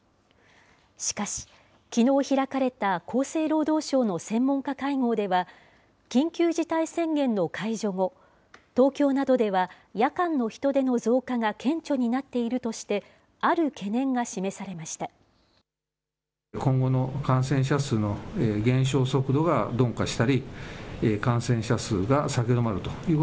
しかし、きのう開かれた厚生労働省の専門家会合では、緊急事態宣言の解除後、東京などでは夜間の人出の増加が顕著になっているとして、ある懸念が示されました。